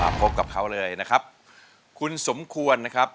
พบกับเขาเลยนะครับคุณสมควรนะครับ